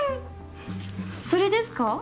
それですか？